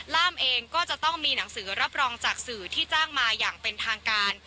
ล่ามเองก็จะต้องมีหนังสือรับรองจากสื่อที่จ้างมาอย่างเป็นทางการ